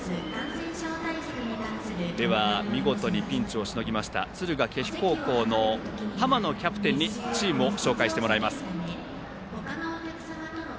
見事にピンチをしのぎました敦賀気比高校の浜野キャプテンにチームを紹介してもらいます。